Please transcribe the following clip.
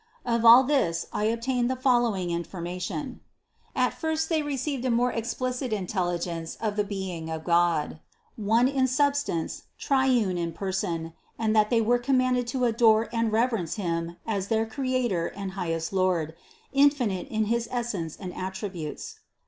Of all this I obtained the following information: At first they received a more explicit intelligence of the being of God, one in substance, trine in person, and that they were commanded to adore and reverence Him as their Creator and highest Lord, infinite in his essence and attributes.